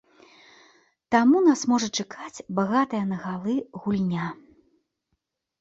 Таму нас можа чакаць багатая на галы гульня.